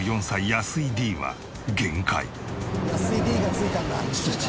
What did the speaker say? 「安井Ｄがついたんだ」